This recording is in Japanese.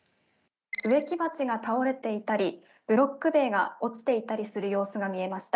植木鉢が倒れていたりブロック塀が落ちていたりする様子が見えました。